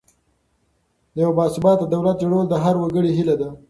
د یو باثباته دولت جوړول د هر وګړي هیله ده.